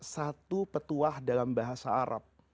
satu petuah dalam bahasa arab